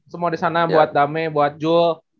semua di sana buat damai buat jul